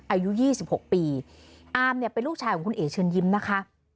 อายุ๒๖ปีอามเนี่ยเป็นลูกชายของคุณเอ๋เชิญยิ้มนะคะ